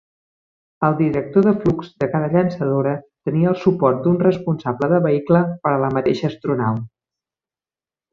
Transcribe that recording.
El director de flux de cada llançadora tenia el suport d'un responsable de vehicle per a la mateixa astronau.